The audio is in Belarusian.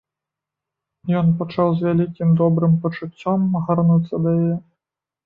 Ён пачаў з вялікім добрым пачуццём гарнуцца да яе.